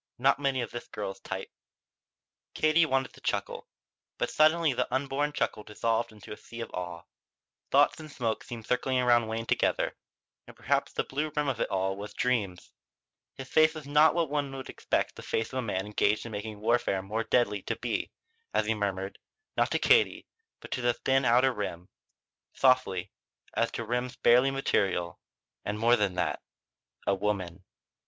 Not many of this girl's type." Katie wanted to chuckle. But suddenly the unborn chuckle dissolved into a sea of awe. Thoughts and smoke seemed circling around Wayne together; and perhaps the blue rim of it all was dreams. His face was not what one would expect the face of a man engaged in making warfare more deadly to be as he murmured, not to Katie but to the thin outer rim, softly, as to rims barely material: "And more than that a woman."